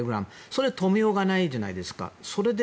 それは止めようがないじゃないですか。